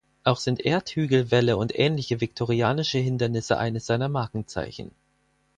Auch sind Erdhügel, Wälle und ähnliche viktorianische Hindernisse eines seiner Markenzeichen.